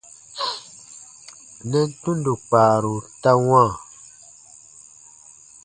Nɛn tundo kpaaru ta wãa.